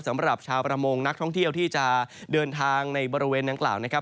สำหรับชาวประมงนักท่องเที่ยวที่จะเดินทางในบริเวณดังกล่าวนะครับ